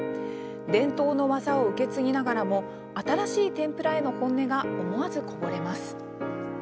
伝統の技を受け継ぎながらも新しい天ぷらへの本音が思わずこぼれます。